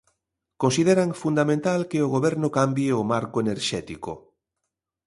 Consideran fundamental que o Goberno cambie o marco enerxético.